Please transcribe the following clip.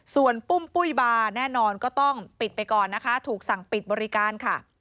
ส่วนปุ้มปุ้ยบาร์แน่นอนก็ต้องปิดไปก่อนนะคะถูกสั่งปิดบริการค่ะ